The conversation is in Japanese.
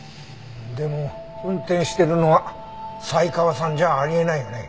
でも運転してるのは才川さんじゃあり得ないよね？